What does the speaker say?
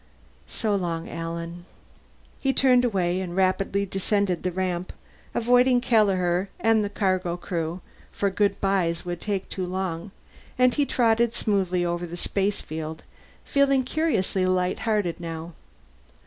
"So long, Alan." He turned away and rapidly descended the ramp. Avoiding Kelleher and the cargo crew, for goodbyes would take too long, he trotted smoothly over the spacefield, feeling curiously lighthearted now.